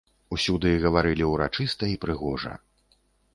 Усюды гаварылі ўрачыста і прыгожа.